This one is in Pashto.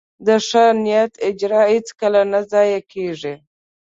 د ښه نیت اجر هیڅکله نه ضایع کېږي.